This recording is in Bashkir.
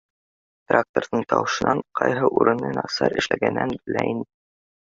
Тракторҙың тауышынан ҡайһы урыны насар эшләгәнен белә ине.